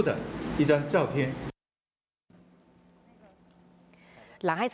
ที่มันจะต้องรับเงิน